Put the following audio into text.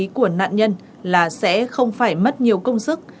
tâm lý của nạn nhân là sẽ không phải mất nhiều công sức